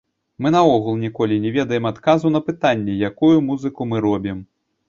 Мы наогул ніколі не ведаем адказу на пытанне, якую музыку мы робім.